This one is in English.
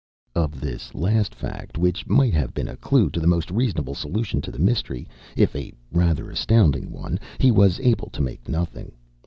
Of this last fact, which might have been a clue to the most reasonable solution of the mystery, if a rather astounding one, he was able to make nothing.